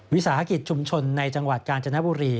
วิสาหกิจชุมชนในจังหวัดกาญจนบุรี